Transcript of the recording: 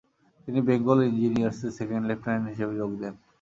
তিনি বেঙ্গল ইঞ্জিনিয়ার্সে second lieutenant হিসেবে যোগ দেন।